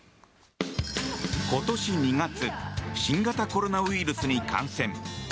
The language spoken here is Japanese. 今年２月新型コロナウイルスに感染。